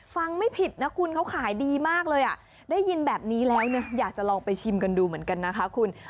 ไม่ผิดนะคุณเขาขายดีมากเลยอ่ะได้ยินแบบนี้แล้วเนี่ยอยากจะลองไปชิมกันดูเหมือนกันนะคะคุณ